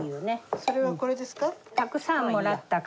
それはこれですか？